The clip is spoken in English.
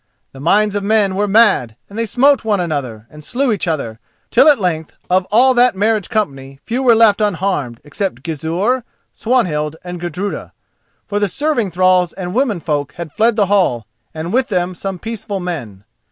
The minds of men were mad, and they smote one another, and slew each other, till at length of all that marriage company few were left unharmed, except Gizur, Swanhild, and Gudruda. For the serving thralls and womenfolk had fled the hall, and with them some peaceful men.